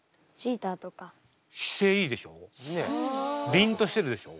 りんとしてるでしょ。